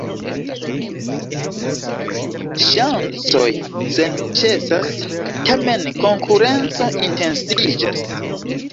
Ŝancoj senĉesas, tamen konkurenco intensiĝas.